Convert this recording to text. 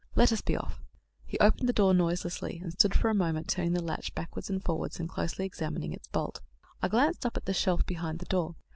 "Let us be off." He opened the door noiselessly, and stood for a moment, turning the latch backwards and forwards, and closely examining its bolt. I glanced up at the shelf behind the door.